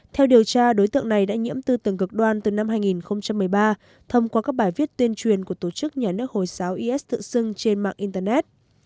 theo điều tra đối tượng này đã nhiễm tư tưởng cực đoan từ năm hai nghìn một mươi ba thông qua các bài viết tuyên truyền của tổ chức nhà nước hồi giáo is tự xưng trên mạng internet